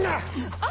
あっ！